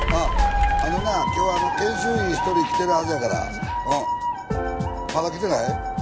今日研修医一人来てるはずやからまだ来てない？